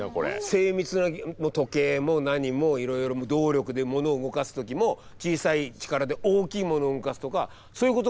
精密な時計も何もいろいろ動力でものを動かす時も小さい力で大きいものを動かすとかそういうことがもう始まってたんです。